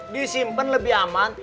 disimpen lebih aman